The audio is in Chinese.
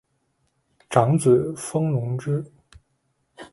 长子封隆之。